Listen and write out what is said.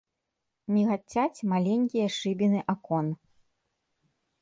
Мігацяць маленькія шыбіны акон.